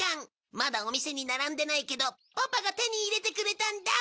まだお店に並んでないけどパパが手に入れてくれたんだ。